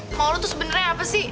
emang lo tuh sebenernya apa sih